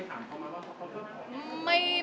เคยถามเขามาว่าเขาก็